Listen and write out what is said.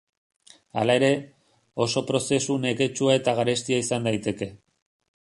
Hala ere, oso prozesu neketsua eta garestia izan daiteke.